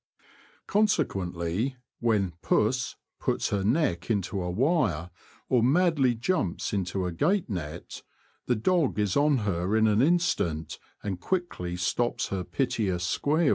Consequently, when *' puss " puts her neck into a wire, or madly jumps into a gate net, the dog is on her in an instant, and quickly stops her piteous squeal.